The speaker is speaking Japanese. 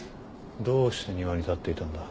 どうして庭に立っていたんだ？